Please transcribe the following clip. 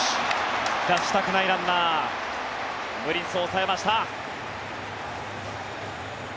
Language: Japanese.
出したくないランナームリンスを抑えました。